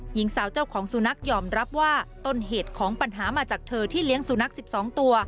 หญิงสาวเจ้าของสุนัขยอมรับว่าต้นเหตุของปัญหามาจากเธอที่เลี้ยงสุนัข๑๒ตัว